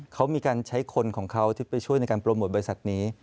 เขามีการใช้คนของเขาที่ไปช่วยในการโปรโมทบริษัทนี้